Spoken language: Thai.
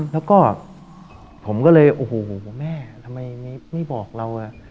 แล้วก็ผมก็เลยโอ้โหแม่ทำไมไม่บอกเรา